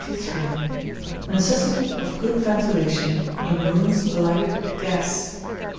NECESSITY OF GOOD VENTILATION IN ROOMS LIGHTED WITH GAS.